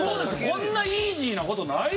こんなイージーな事ないですよ。